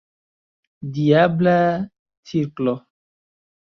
Diabla cirklo!